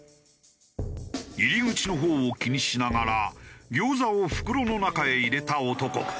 入り口のほうを気にしながら餃子を袋の中へ入れた男。